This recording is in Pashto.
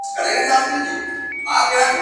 رابعه ګل غواړي چې پاڼه خاموشه وي.